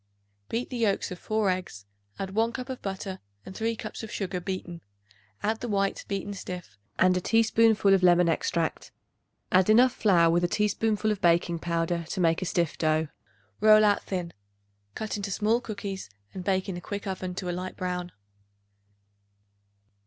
Beat the yolks of 4 eggs; add 1 cup of butter and 3 cups of sugar beaten. Add the whites beaten stiff and a teaspoonful of lemon extract. Add enough flour with a teaspoonful of baking powder to make a stiff dough. Roll out thin; cut into small cookies and bake in a quick oven to a light brown.